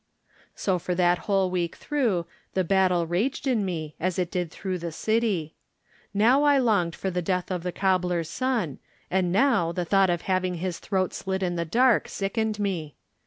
So for that whole week through the battle raged in me as it did through the city. Now I longed for the death of the cobbler's son, and now the thought of having his throat slit in the dark sickened me.